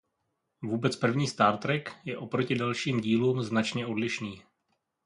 Vůbec první Star Trek je oproti dalším dílům značně odlišný.